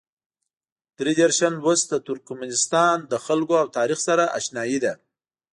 درې دېرشم لوست د ترکمنستان له خلکو او تاریخ سره اشنايي ده.